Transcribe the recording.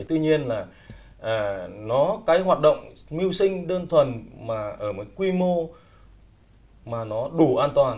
tuy nhiên là nó cái hoạt động mưu sinh đơn thuần mà ở một quy mô mà nó đủ an toàn